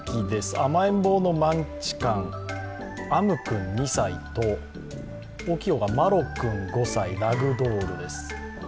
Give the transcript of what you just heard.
甘えん坊のマンチカン逢夢君２歳と大きい方が麻呂君５歳、ラグドールです。